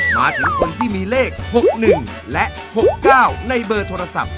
มาถึงคนที่มีเลข๖๑และ๖๙ในเบอร์โทรศัพท์